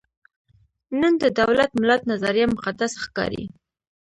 نن د دولت–ملت نظریه مقدس ښکاري.